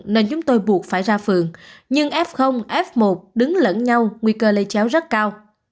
nên chúng tôi buộc phải ra phường nhưng f f một đứng lẫn nhau nguy cơ lây chéo rất cao